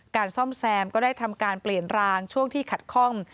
ซ่อมแซมก็ได้ทำการเปลี่ยนรางช่วงที่ขัดคล่อง